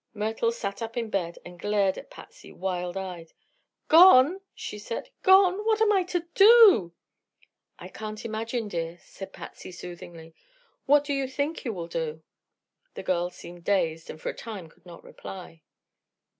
Myrtle sat up in bed and glared at Patsy wild eyed. "Gone!" she said. "Gone! Then what am I to do?" "I can't imagine, dear," said Patsy, soothingly. "What do you think you will do?" The girl seemed dazed and for a time could not reply.